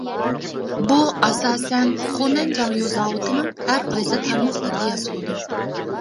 بۇ ئاساسەن خۇنەن جاڭيۇ زاۋۇتىنىڭ ھەر قايسى تارماقلىرىدا ياسىلىدۇ.